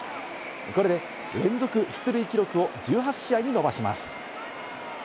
これで連続出塁記録を１８試合に伸ばします。